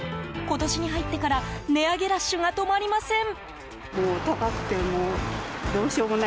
今年に入ってから値上げラッシュが止まりません。